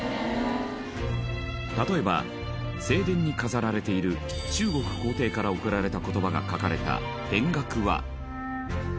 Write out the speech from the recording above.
例えば正殿に飾られている中国皇帝から贈られた言葉が書かれた扁額は。